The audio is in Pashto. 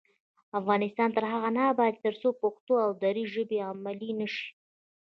افغانستان تر هغو نه ابادیږي، ترڅو پښتو او دري ژبې علمي نشي.